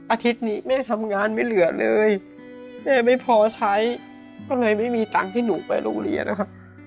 อาทิตย์นี้แม่ทำงานไม่เหลือเลยแม่ไม่พอใช้ก็เลยไม่มีตังค์ที่หนูไปโรงเรียนนะคะ